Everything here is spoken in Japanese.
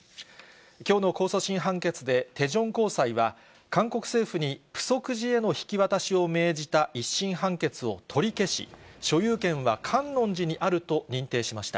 きょうの控訴審判決で、テジョン高裁は、韓国政府に、プソク寺への引き渡しを命じた１審判決を取り消し、所有権は観音寺にあると認定しました。